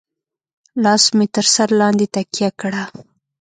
لاس مې تر سر لاندې تکيه کړه.